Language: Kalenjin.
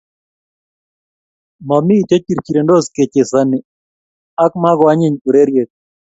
mami che chirchirendos kechesani ak makoanyiy ureriet